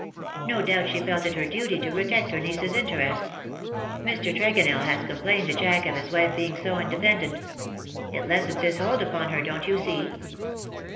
No doubt she felt it her duty to protect her niece^s interest. Mr. Tregonell has complained to Jack of his wife being so independent. It lessens his hold upon her_, don^t you see."